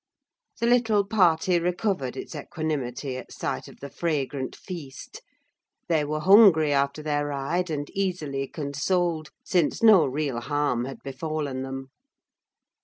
The little party recovered its equanimity at sight of the fragrant feast. They were hungry after their ride, and easily consoled, since no real harm had befallen them.